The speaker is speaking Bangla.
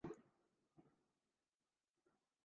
হুম, আমি আবার রি-রুট করতে পারবো।